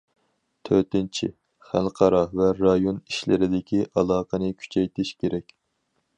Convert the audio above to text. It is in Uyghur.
تۆتىنچى، خەلقئارا ۋە رايون ئىشلىرىدىكى ئالاقىنى كۈچەيتىش كېرەك.